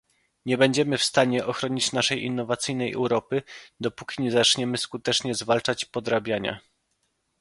Nie będziemy w stanie ochronić naszej innowacyjnej Europy, dopóki nie zaczniemy skutecznie zwalczać podrabiania